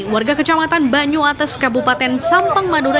warga kecamatan banyuates kabupaten sampang madura